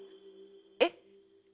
えっ？